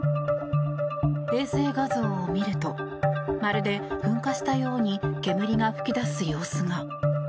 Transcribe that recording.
衛星画像を見るとまるで噴火したように煙が噴き出す様子が。